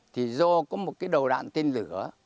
thì do có một cái đầu đạn tên lửa